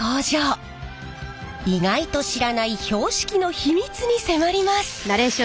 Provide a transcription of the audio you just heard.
意外と知らない標識の秘密に迫ります。